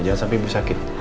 jangan sampai ibu sakit